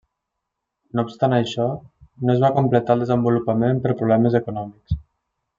No obstant això, no es va completar el desenvolupament per problemes econòmics.